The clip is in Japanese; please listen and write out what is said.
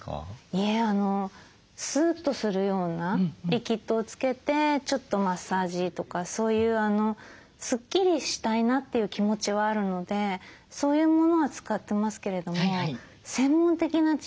いえスーッとするようなリキッドをつけてちょっとマッサージとかそういうスッキリしたいなっていう気持ちはあるのでそういうものは使ってますけれども専門的な知識がいかんせんないですから。